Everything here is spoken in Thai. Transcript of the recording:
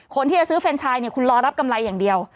คนที่จะซื้อเฟรนชายเนี่ยคุณรอรับกำไรอย่างเดียว